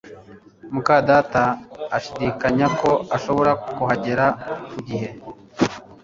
muka data ashidikanya ko azashobora kuhagera ku gihe